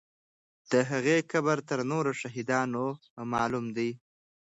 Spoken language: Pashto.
د هغې قبر تر نورو شهیدانو معلوم دی.